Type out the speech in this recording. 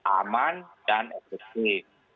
aman dan ekstrik